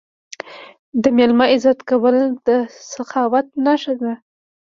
د میلمه عزت کول د سخاوت نښه ده.